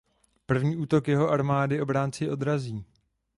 První útok jeho armády obránci odrazí.